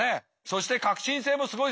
そして革新性もすごいです。